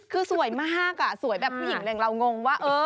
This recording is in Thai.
คือสวยมากอ่ะสวยแบบผู้หญิงแหล่งเรางงว่าเอ้อ